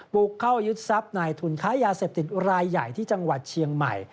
บุกเข้ายึดทรัพย์นายทุนค้ายาเสพติดรายใหญ่ที่จังหวัดเชียงใหม่